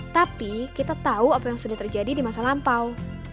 tapi kita tahu apa yang sudah terjadi di masa lampau